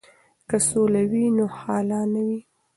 که سوله وي نو هاله نه وي.